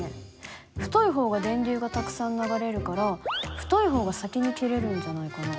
太い方が電流がたくさん流れるから太い方が先に切れるんじゃないかな。